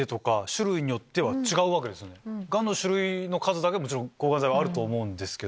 ⁉がんの種類の数だけもちろん抗がん剤はあると思うんですけど。